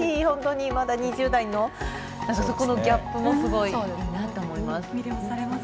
まだ２０代のギャップがすごいいいなと思います。